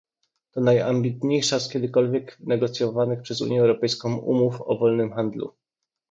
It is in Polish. To najambitniejsza z kiedykolwiek negocjowanych przez Unię Europejską umów o wolnym handlu